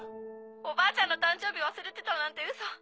おばあちゃんの誕生日忘れてたなんてウソ。